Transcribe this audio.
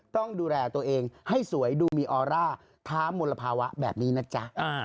ต้องดูแลตัวเองให้สวยดูมีออร่าท้ามลภาวะแบบนี้นะจ๊ะ